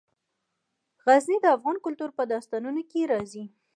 غزني د افغان کلتور په داستانونو کې راځي.